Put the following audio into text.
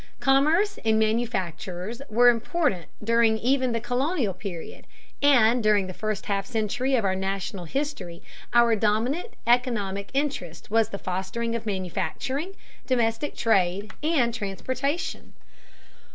Commerce and manufactures were important during even the colonial period, and during the first half century of our national history our dominant economic interest was the fostering of manufacturing, domestic trade, and transportation.